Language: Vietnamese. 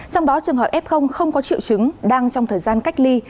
trong đó trường hợp f không có triệu chứng đang trong thời gian cách ly